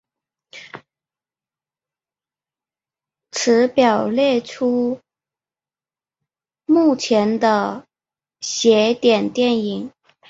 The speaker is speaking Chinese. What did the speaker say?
此表列出目前的邪典电影。